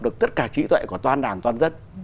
được tất cả trí tuệ của toàn đảng toàn dân